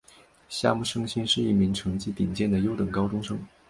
夏木胜幸是一名成绩顶尖的优等高中生。